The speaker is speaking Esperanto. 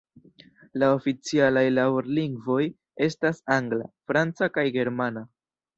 La oficialaj laborlingvoj estas angla, franca kaj germana.